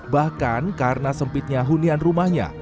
bahkan karena sempitnya hunian rumahnya